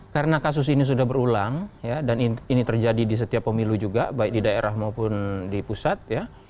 karena kasus ini sudah berulang ya dan ini terjadi di setiap pemilu juga baik di daerah maupun di pusat ya